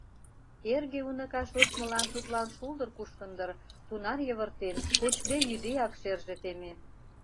Эрге уныка шочмылан тудлан шулдыр кушкын дыр, тунар йывыртен, кочде-йӱдеак шерже теме.